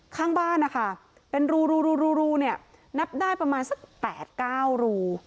ข้างบ้านนะคะเป็นรูรูรูรูรูเนี้ยนับได้ประมาณสักแปดเก้ารู